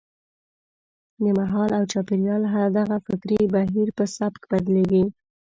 د مهال او چاپېریال دغه فکري بهیر په سبک بدلېږي.